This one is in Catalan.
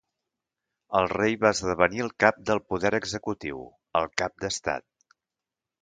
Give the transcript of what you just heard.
El rei va esdevenir el cap del poder executiu, el cap d'estat.